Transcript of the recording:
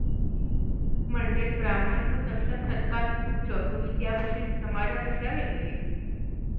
म्हणजेच ब्राह्मण व तत्सम तत्कालीन उच्च व विद्याविभूषित समाजापेक्षा वेगळे.